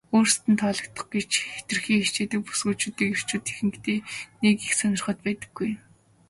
өөрсдөд нь таалагдах гэж хэтэрхий хичээдэг бүсгүйчүүдийг эрчүүд ихэнхдээ нэг их сонирхоод байдаггүй.